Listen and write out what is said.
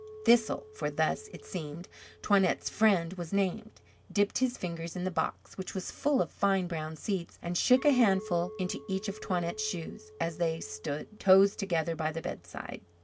Thistle for thus, it seemed, Toinette's friend was named dipped his fingers in the box, which was full of fine brown seeds, and shook a handful into each of Toinette's shoes, as they stood, toes together by the bedside.